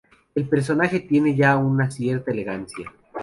El personaje tiene ya una cierta elegancia.